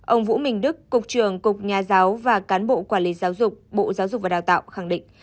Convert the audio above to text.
ông vũ minh đức cục trưởng cục nhà giáo và cán bộ quản lý giáo dục bộ giáo dục và đào tạo khẳng định